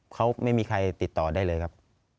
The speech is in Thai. เขาไม่มีใครติดต่อได้เลยครับ